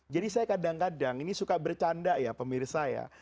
jadi saya kadang kadang ini suka bercanda ya pemirsa ya